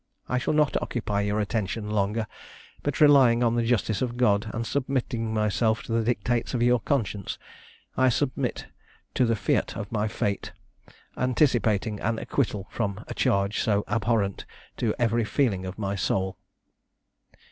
I shall not occupy your attention longer; but, relying on the justice of God, and submitting myself to the dictates of your conscience, I submit to the fiat of my fate, firmly anticipating an acquittal from a charge so abhorrent to every feeling of my soul."